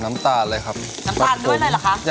น้ำตาลธรรมดาอีกเท่าไรค่ะ